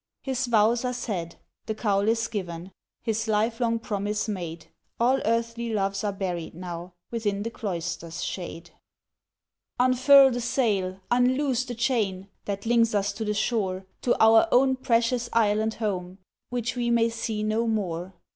His vows are said—the Cowl is given, His live long promise made; All earthly loves are buried now, Within the Cloister's shade. "Unfurl the sail! unloose the chain! That links us to the shore— To our own precious Island home Which we may see no more!"